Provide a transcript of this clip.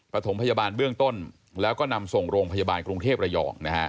ประถมพยาบาลเบื้องต้นแล้วก็นำส่งโรงพยาบาลกรุงเทพระยอง